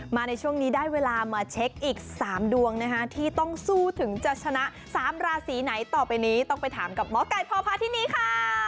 ในช่วงนี้ได้เวลามาเช็คอีก๓ดวงนะคะที่ต้องสู้ถึงจะชนะ๓ราศีไหนต่อไปนี้ต้องไปถามกับหมอไก่พอพาที่นี่ค่ะ